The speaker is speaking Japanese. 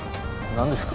何ですか？